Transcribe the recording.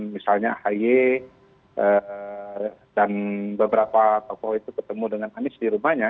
misalnya ahy dan beberapa tokoh itu ketemu dengan anies di rumahnya